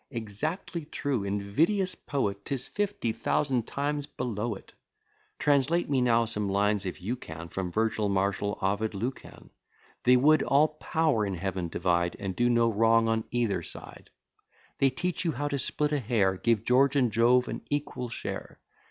Exactly true! invidious poet! 'Tis fifty thousand times below it. Translate me now some lines, if you can, From Virgil, Martial, Ovid, Lucan. They could all power in Heaven divide, And do no wrong on either side; They teach you how to split a hair, Give George and Jove an equal share.